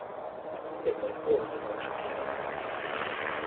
It went gold in Argentina.